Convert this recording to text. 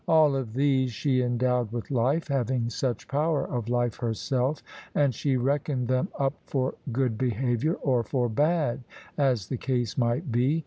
All of these she endowed with life, having such power of life herself, and she reckoned them up for good behaviour, or for bad, as the case might be.